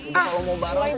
kalo mau bareng